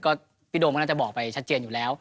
ก็พี่โดมก็น่าจะบอกไปชัดเจนอยู่แล้ว